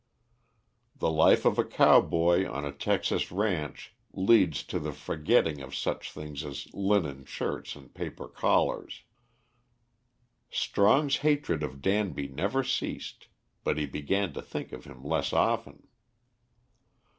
The life of a cowboy on a Texas ranch leads to the forgetting of such things as linen shirts and paper collars. Strong's hatred of Danby never ceased, but he began to think of him less often.